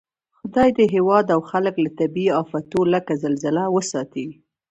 خدای دې هېواد او خلک له طبعي آفتو لکه زلزله وساتئ